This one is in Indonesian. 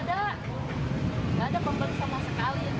tidak ada pembeli sama sekali